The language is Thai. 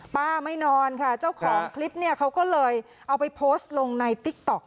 ไม่นอนค่ะเจ้าของคลิปเนี่ยเขาก็เลยเอาไปโพสต์ลงในติ๊กต๊อก